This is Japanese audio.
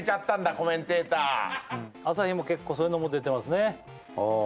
コメンテーター朝日も結構そういうのも出てますね